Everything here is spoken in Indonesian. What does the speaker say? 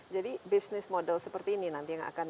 jadi business model seperti ini nanti yang akan